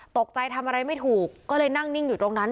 ตกใจทำอะไรไม่ถูกก็เลยนั่งนิ่งอยู่ตรงนั้น